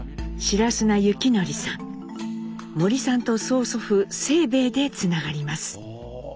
森さんと曽祖父「清兵衛」でつながります。